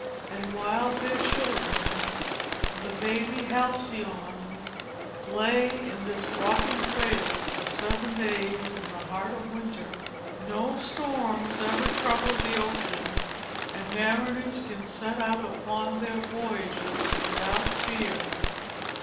And while their children, the baby Halcyons, lay in this rocking cradle, for seven days in the heart of winter, no storms ever troubled the ocean and mariners could set out upon their voyages without fear.